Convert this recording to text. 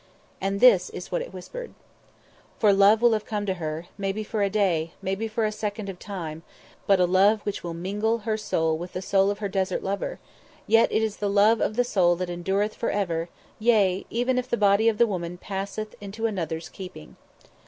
And this is what it whispered: "... for love will have come to her, maybe for a day, maybe for a second of time, but a love which will mingle her soul with the soul of her desert lover ... yet it is the love of the soul that endureth for ever, yea, even if the body of the woman passeth into another's keeping."